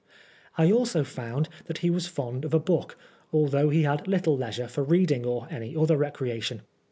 I also found that he was fond of a book, although he had little leisure for read ing or any other recreation.